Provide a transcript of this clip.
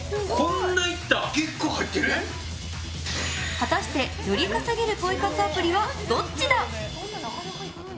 果たして、より稼げるポイ活アプリはどっちだ？